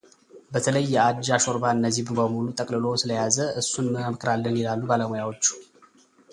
በተለይ የአጃ ሾርባ እነዚህን በሙሉ ጠቅልሎ ስለያዘ እሱን እንመክራለን ይላሉ ባለሙያዎቹ።